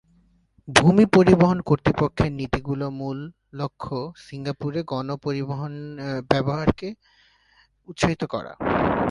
ভূমি পরিবহন কর্তৃপক্ষের নীতিগুলির মূল লক্ষ্য সিঙ্গাপুরে গণপরিবহন ব্যবহারকে উৎসাহিত করা।